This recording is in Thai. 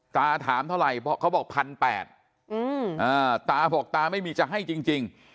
ตาถามเท่าไหร่เพราะเขาบอก๑๘๐๐ตาบอกตาไม่มีจะให้จริง